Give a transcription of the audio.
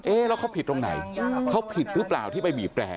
แล้วเขาผิดตรงไหนเขาผิดหรือเปล่าที่ไปบีบแร่